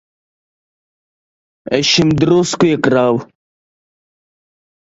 Es šim drusku iekrāvu.